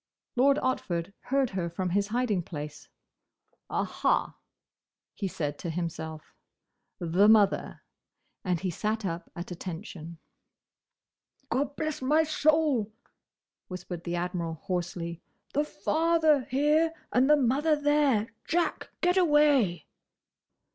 Lord Otford heard her from his hiding place. "Aha!" he said to himself, "the mother!" and he sat up at attention. "Gobblessmysoul!" whispered the Admiral, hoarsely. "The father here, and the mother there! Jack! Get away!"